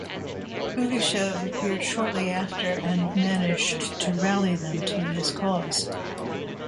Pugachev appeared shortly after and managed to rally them to his cause.